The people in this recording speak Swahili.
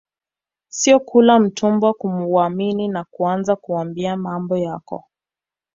Sio kula mtubwa kumwamini na kuaanza kumwambia mambo yako